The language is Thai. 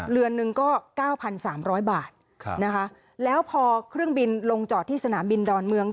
เรือนนึงก็๙๓๐๐บาทนะคะแล้วพอเครื่องบินลงจอดที่สนามบินดอนเมือง